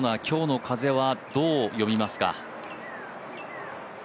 今日の風はどう読みますか？